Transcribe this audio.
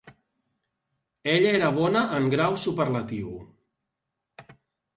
Ella era bona en grau superlatiu.